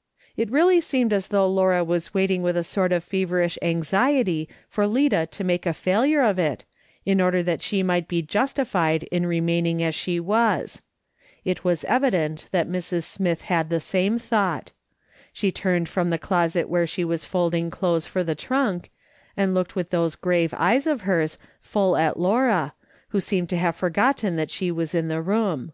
" It really seemed as though Laura was waiting with a sort of feverish anxiety for Lida to make a failure of it, in order that she might be justified in remaining as she was. It was evident that ^Mrs. Smith had the same thought. She turned from the closet Avhere she was folding clothes for the truuk, and looked with those grave eyes of hers full at Laura, who seemed to have forgotten that she was in the room.